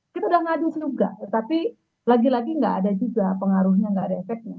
kita sudah ngadu juga tapi lagi lagi enggak ada juga pengaruhnya enggak ada efeknya